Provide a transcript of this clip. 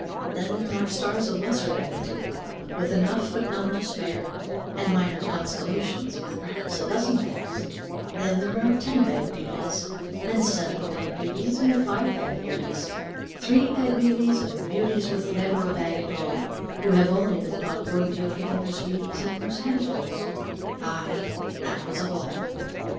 Then there are stars of lesser magnitude, with enough but none to spare; and minor constellations, with perhaps a dozen bags; and there are ten bag beauties, and seven bag beauties, and five bag beauties, three bag beauties, and beauties with never a bag at all, who have only been thought worthy of getting their sweeties in loose handfuls. Ay, that was a ball.